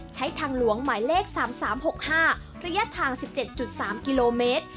ใช้ทางหลวงหมายเลขสามสามหกห้าระยะทางสิบเจ็ดจุดสามกิโลเมตร